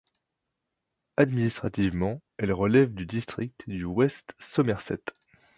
Administrativement, elle relève du district du West Somerset.